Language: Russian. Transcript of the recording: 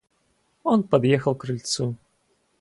Он подъехал к крыльцу.